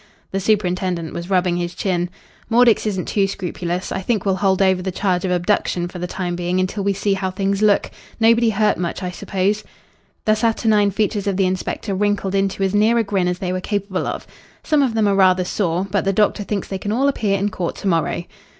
The superintendent was rubbing his chin. "Mordix isn't too scrupulous. I think we'll hold over the charge of abduction for the time being until we see how things look. Nobody hurt much, I suppose?" The saturnine features of the inspector wrinkled into as near a grin as they were capable of. "Some of them are rather sore, but the doctor thinks they can all appear in court to morrow."